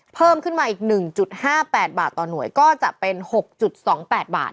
เพิ่มขึ้นมาอีก๑๕๘บาทต่อหน่วยก็จะเป็น๖๒๘บาท